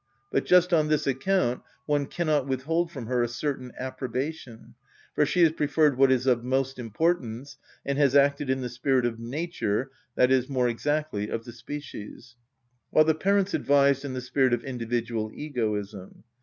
But just on this account one cannot withhold from her a certain approbation; for she has preferred what is of most importance, and has acted in the spirit of nature (more exactly, of the species), while the parents advised in the spirit of individual egoism.